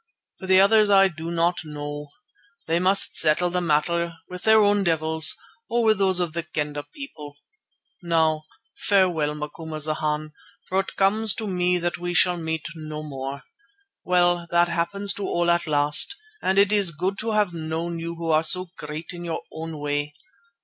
For the others I do not know. They must settle the matter with their own devils, or with those of the Kendah people. Now farewell, Macumazana, for it comes to me that we shall meet no more. Well, that happens to all at last, and it is good to have known you who are so great in your own way.